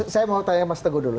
saya mau tanya mas teguh dulu